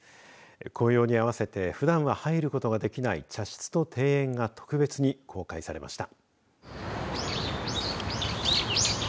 紅葉にあわせてふだんは入ることができない茶室と庭園が特別に公開されました。